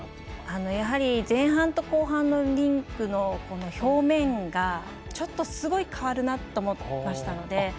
やはり前半と後半のリンクの表面が、すごい変わるなと思いました。